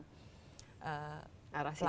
ke arah situ ya